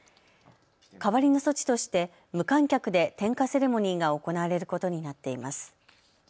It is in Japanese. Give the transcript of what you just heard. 代わりの措置として無観客で点火セレモニーが行われることになっています。